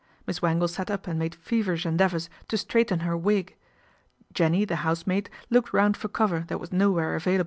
Miss Bangle sat up and made feverish endeavours to straighten her wig Jenny, the housemaid, looked round for cover that was nowhere available.